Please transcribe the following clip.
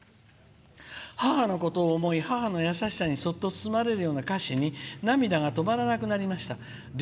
母のことを思い母の優しさにそっと包まれる歌詞に涙が止まりませんでした。